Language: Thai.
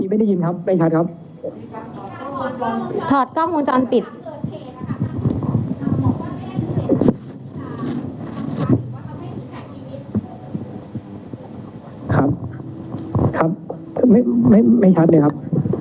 ทำไมถึงมีการถอดกล้องวงจรปิดค่ะหลังจากที่เกิดเหตุนะคะทั้งที่ก็แถลงคำว่าไม่ได้ยินครับไม่ชัดเลยครับ